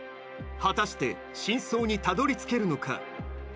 果たして真相にたどり着けるのか。